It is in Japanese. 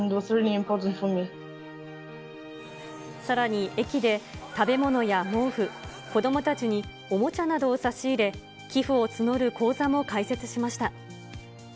さらに、駅で食べ物や毛布、子どもたちにおもちゃなどを差し入れ、寄付を募る口座も開設しました。